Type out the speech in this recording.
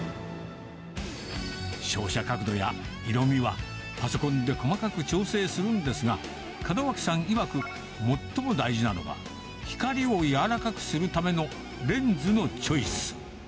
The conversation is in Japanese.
照射角度や色味はパソコンで細かく調整するんですが、門脇さんいわく、最も大事なのが、光を柔らかくするためのレンズのチョイス。